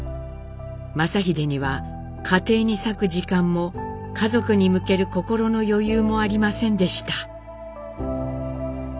正英には家庭に割く時間も家族に向ける心の余裕もありませんでした。